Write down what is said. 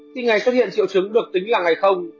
khi ngày xuất hiện triệu chứng được tính là ngày không